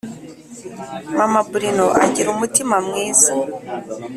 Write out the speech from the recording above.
Mama Bruno agira umutima mwiza